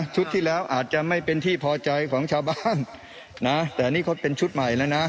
ที่แล้วอาจจะไม่เป็นที่พอใจของชาวบ้านนะแต่อันนี้เขาเป็นชุดใหม่แล้วนะ